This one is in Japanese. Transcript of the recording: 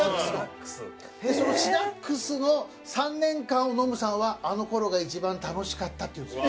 そのシダックスの３年間をノムさんは「あの頃が一番楽しかった」って言うんですよ。